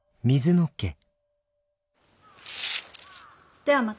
ではまた。